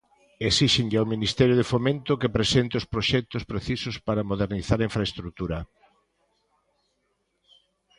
Esíxenlle ao Ministerio de Fomento que presente os proxectos precisos para modernizar a infraestrutura.